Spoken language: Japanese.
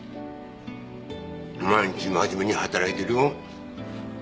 毎日真面目に働いてるよ。